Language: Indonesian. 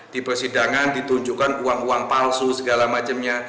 di persidangan ditunjukkan uang uang palsu segala macamnya